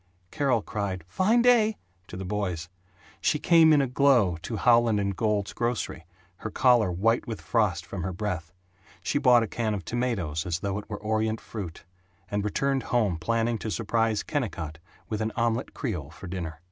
Carol cried "Fine day!" to the boys; she came in a glow to Howland & Gould's grocery, her collar white with frost from her breath; she bought a can of tomatoes as though it were Orient fruit; and returned home planning to surprise Kennicott with an omelet creole for dinner.